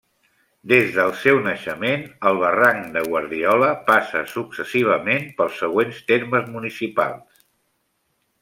Des del seu naixement, el Barranc de Guardiola passa successivament pels següents termes municipals.